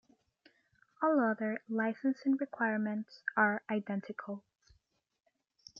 All other licensing requirements are identical.